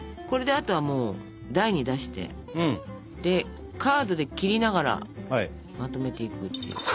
これであとはもう台に出してでカードで切りながらまとめていくっていう。